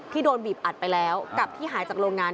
โดนบีบอัดไปแล้วกับที่หายจากโรงงาน